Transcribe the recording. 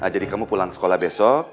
jadi kamu pulang sekolah besok